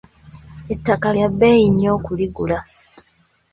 Ettaka lya bbeeyi nnyo okuligula.